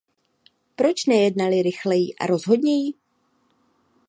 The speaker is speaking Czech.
Proč nejednali rychleji a rozhodněji?